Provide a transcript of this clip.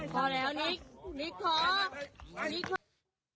พอแล้วนิกนิกขอ